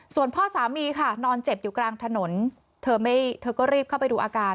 ส่วนพ่อสามีค่ะนอนเจ็บอยู่กลางถนนเธอไม่เธอก็รีบเข้าไปดูอาการ